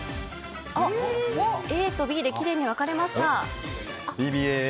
ＡとＢできれいに分かれました。